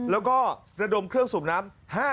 แล้วก็ระดมเครื่องสูบน้ำ